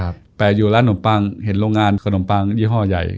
แต่อยู่ร้านนมปังเห็นโรงงานขนมปังยี่ห้อใหญ่